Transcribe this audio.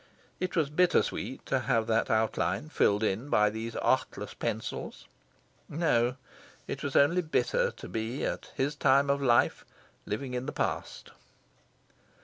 It was bitter sweet to have that outline filled in by these artless pencils. No, it was only bitter, to be, at his time of life, living in the past.